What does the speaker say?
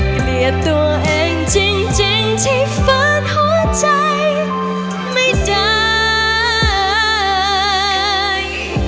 เกลียดตัวเองจริงที่ฟาดหัวใจไม่ได้